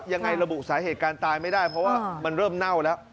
ระบุสาเหตุการตายไม่ได้เพราะว่ามันเริ่มเน่าแล้ว